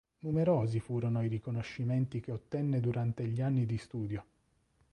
Numerosi furono i riconoscimenti che ottenne durante gli anni di studio.